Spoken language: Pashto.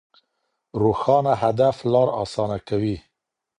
روښانه هدف لار اسانه کوي.